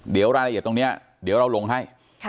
เดี๋ยวรายละเอียดตรงนี้เดี๋ยวเราลงให้